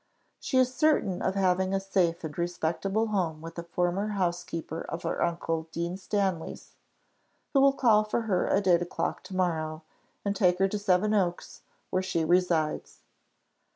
She is certain of having a safe and respectable home with a former housekeeper of her uncle Dean Stanley's, who will call for her at eight o'clock to morrow, and take her to Seven Oaks, where she resides.